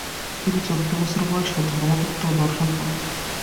তিনি চৌদ্দ বছর বয়সে ধর্মতত্ত্ব ও দর্শন পড়েন।